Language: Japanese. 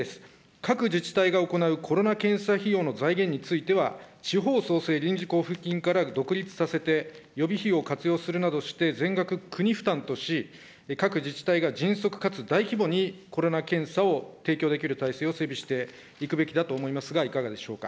各自治体が行うコロナ検査費用の財源については、地方創生臨時交付金から独立させて、予備費を活用するなどして全額国負担とし、各自治体が迅速かつ大規模にコロナ検査を提供できる体制を整備していくべきだと思いますが、いかがでしょうか。